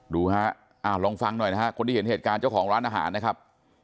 ดูฮะลองฟังหน่อยนะฮะคนที่เห็นเหตุการณ์เจ้าของร้านอาหารนะครับ